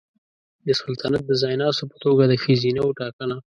د سلطنت د ځایناستو په توګه د ښځینه وو ټاکنه